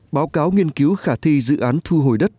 báo cáo nghiên cứu khả thi dự án thu hồi đất